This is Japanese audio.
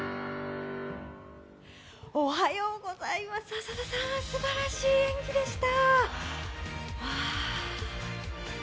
浅田さん、すばらしい演技でした！